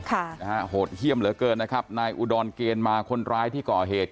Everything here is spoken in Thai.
ค่ะนะฮะโหดเยี่ยมเหลือเกินนะครับนายอุดรเกณฑ์มาคนร้ายที่ก่อเหตุ